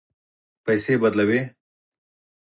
پیسې بدلوئ؟